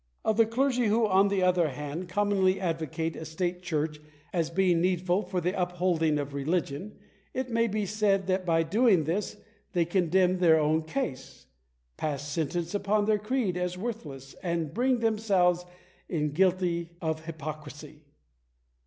Of the clergy who, on the other hand, commonly advocate a state church as being needful for the upholding of religion, it may be said that by doing this they condemn their own case, pass sentence upon their creed as worthless, and bring them selves in guilty of hypocrisy.